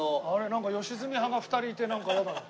なんか良純派が２人いてなんか嫌だな。